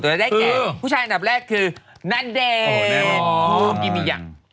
แต่ผู้ชายอันดับแรกคือนันเดน